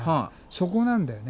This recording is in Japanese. そこなんだよね。